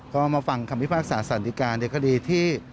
ก็มาฟังคำพิพากษาสันติการในคดีที่